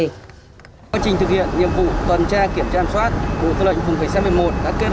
trong quá trình thực hiện nhiệm vụ tuần tra kiểm tra chăm sóc bộ tư lệnh vùng khởi xe một mươi một